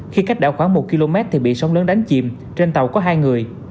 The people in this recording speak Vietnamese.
khi cách đảo khoảng một km thì bị sóng lớn đánh chìm trên tàu có hai người